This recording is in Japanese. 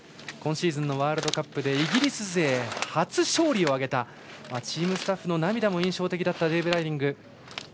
今シーズンのワールドカップでイギリス勢初勝利を挙げたチームスタッフの涙も印象的だったデイブ・ライディング。